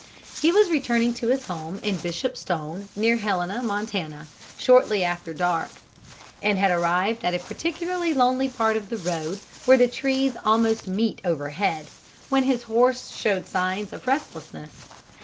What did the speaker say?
He was returning to his home in Bishopstone, near Helena, Montana, shortly after dark, and had arrived at a particularly lonely part of the road where the trees almost meet overhead, when his horse showed signs of restlessness.